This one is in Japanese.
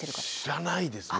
知らないですね。